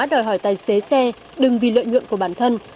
đòi hỏi tài xế xe đừng vì lợi nhuận của bản thân